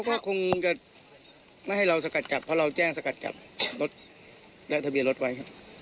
ก็คงจะไม่ให้เราสกัดกลับเพราะเราแจ้งสกัดกลับรถและทะเบียนรถไว้ครับ